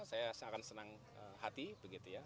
saya akan senang hati begitu ya